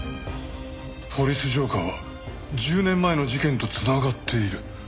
「ポリス浄化ぁ」は１０年前の事件と繋がっている。